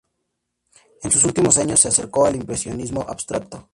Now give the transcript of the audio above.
En sus últimos años se acercó al impresionismo abstracto.